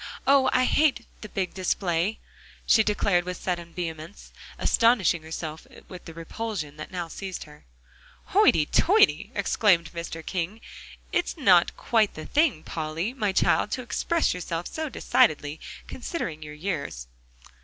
Oh! I hate the big display!" she declared with sudden vehemence, astonishing herself with the repulsion that now seized her. "Hoity toity!" exclaimed Mr. King, "it's not quite the thing, Polly, my child, to express yourself so decidedly, considering your years."